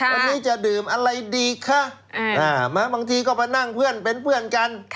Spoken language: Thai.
วันนี้จะดื่มอะไรดีคะบางทีก็มานั่งเพื่อนเป็นเพื่อนกัน